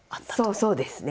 そうですね。